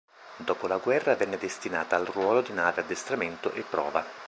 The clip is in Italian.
Dopo la guerra venne destinata al ruolo di nave addestramento e prova.